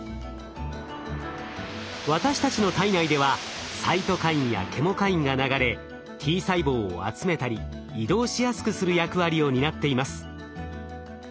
私たちの体内ではサイトカインやケモカインが流れＴ細胞を集めたり移動しやすくする役割を担っています。